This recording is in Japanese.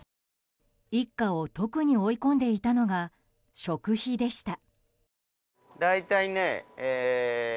一家を特に追い込んでいたのが食費でした。